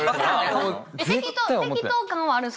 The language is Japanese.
適当感はあるん？